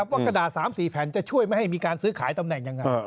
กระดาษ๓๔แผ่นจะช่วยไม่ให้มีการซื้อขายตำแหน่งยังไง